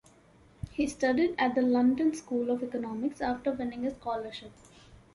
He studied at the London School of Economics after winning a scholarship.